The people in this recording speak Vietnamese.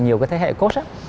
nhiều cái thế hệ coach